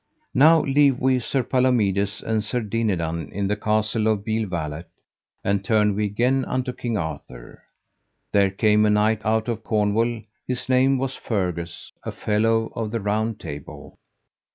Now leave we Sir Palomides and Sir Dinadan in the Castle of Beale Valet, and turn we again unto King Arthur. There came a knight out of Cornwall, his name was Fergus, a fellow of the Round Table.